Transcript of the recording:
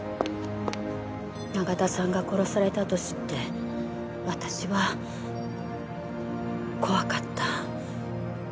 永田さんが殺されたと知って私は怖かった。